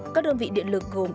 các đơn vị điện lực gồm